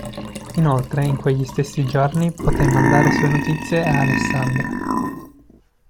Inoltre in quegli stessi giorni potè mandare sue notizie a Alessandra.